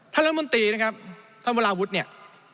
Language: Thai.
รัฐมนตรีนะครับท่านวราวุฒิเนี่ย